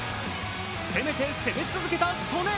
攻めて攻め続けた素根。